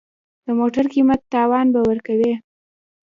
د موټر قیمت تاوان به ورکوې.